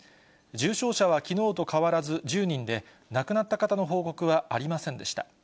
重症者はきのうと変わらず１０人で、亡くなった方の報告はありませんでした。